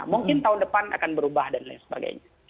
mungkin tahun depan akan berubah dan lain sebagainya